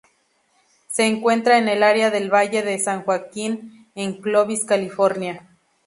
Se encuentra en el área del Valle de San Joaquín, en Clovis, California.